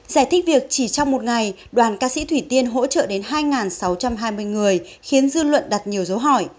giải thích việc chỉ trong một ngày đoàn ca sĩ thủy tiên hỗ trợ đến hai sáu trăm hai mươi người khiến dư luận đặt nhiều dấu hỏi